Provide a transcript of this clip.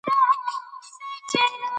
تیاره د پوهې په وړاندې ماتې خوري.